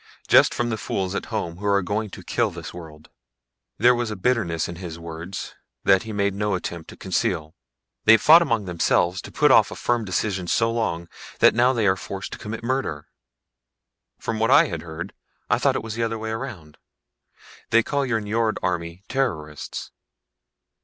Just from the fools at home who are going to kill this world." There was a bitterness in his words that he made no attempt to conceal. "They fought among themselves and put off a firm decision so long that now they are forced to commit murder." "From what I had heard, I thought that it was the other way around. They call your Nyjord army terrorists."